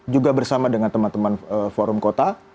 juga bersama dengan teman teman forum kota